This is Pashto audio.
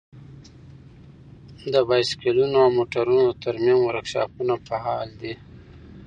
د بايسکلونو او موټرونو د ترمیم ورکشاپونه فعال دي.